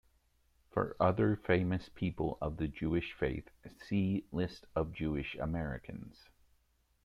For other famous people of the Jewish faith, see List of Jewish Americans.